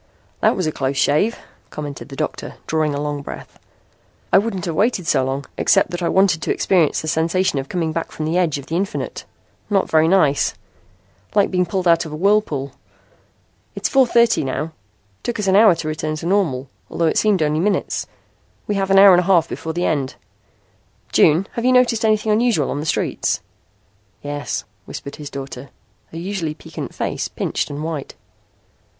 "That was a close shave," commented the doctor, drawing a long breath. "I wouldn't have waited so long, except that I wanted to experience the sensation of coming back from the edge of the infinite. Not very nice! Like being pulled out of a whirlpool. It's 4:30 now. Took us an hour to return to normal, although it seemed only minutes. We have an hour and a half before the end. June, have you noticed anything unusual on the streets?" "Yes," whispered his daughter, her usually piquant face pinched and white.